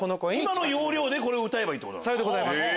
今の要領でこれを歌えばいいってこと。